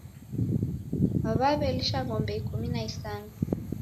Waw'elisha ng'ombe ikumi na isanu.